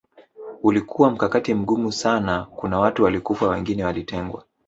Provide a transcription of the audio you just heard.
Ulikuwa mkakati mgumu sana kuna watu walikufa wengine walitengwa